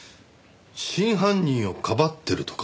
真犯人をかばってるとか？